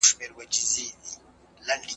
ما د سبا لپاره د سوالونو جواب ورکړی دی